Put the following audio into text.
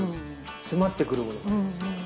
迫ってくるものが。